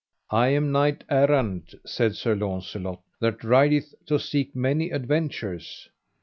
I am a knight errant, said Sir Launcelot, that rideth to seek many adventures.